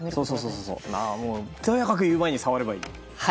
とやかく言う前に触ればいい。